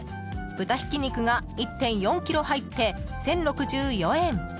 豚ひき肉が１．４ｋｇ入って１０６４円。